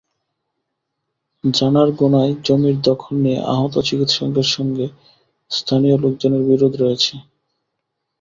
জানারঘোনায় জমির দখল নিয়ে আহত চিকিৎসকের সঙ্গে স্থানীয় লোকজনের বিরোধ রয়েছে।